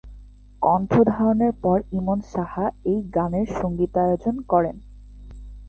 কণ্ঠ ধারণের পর ইমন সাহা এই গানের সঙ্গীতায়োজন করেন।